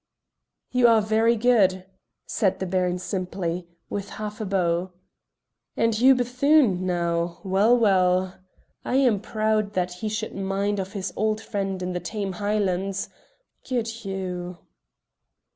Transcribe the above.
"You are very good," said the Baron simply, with half a bow. "And Hugh Bethune, now well, well! I am proud that he should mind of his old friend in the tame Highlands. Good Hugh!"